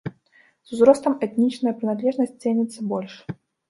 З узростам этнічная прыналежнасць цэніцца больш.